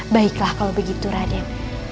baiklah kalau begitu raden